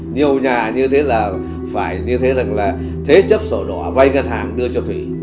nhiều nhà như thế là phải như thế là thế chấp sổ đỏ vay ngân hàng đưa cho thủy